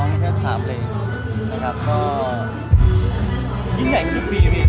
นะครับก็ยิ่งใหญ่ครับทุกปี